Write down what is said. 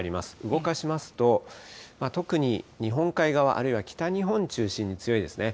動かしますと、特に日本海側、あるいは北日本中心に強いですね。